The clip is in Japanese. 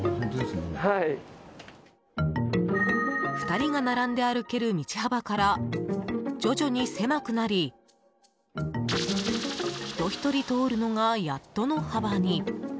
２人が並んで歩ける道幅から徐々に狭くなり人ひとり通るのがやっとの幅に。